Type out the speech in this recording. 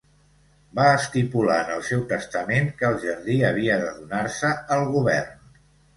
Va estipular en el seu testament que el jardí havia de donar-se al govern.